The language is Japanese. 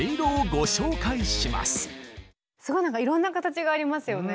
すごいなんかいろんな形がありますよね。